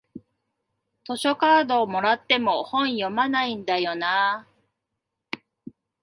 図書カードもらっても本読まないんだよなあ